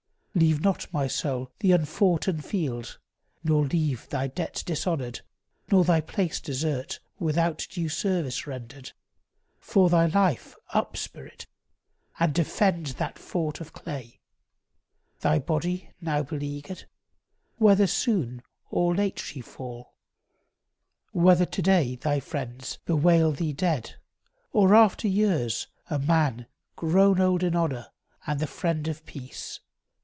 Leave not, my soul, the unfoughten field, nor leave Thy debts dishonoured, nor thy place desert Without due service rendered. For thy life, Up, spirit, and defend that fort of clay, Thy body, now beleaguered; whether soon Or late she fall; whether to day thy friends Bewail thee dead, or, after years, a man Grown old in honour and the friend of peace.